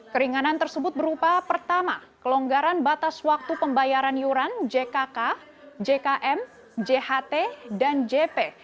keringanan tersebut berupa pertama kelonggaran batas waktu pembayaran iuran jkk jkm jht dan jp